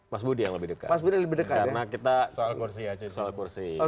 mas budi yang lebih dekat mas budi yang lebih dekat